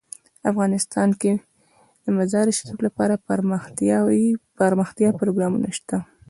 افغانستان کې د مزارشریف لپاره دپرمختیا پروګرامونه شته.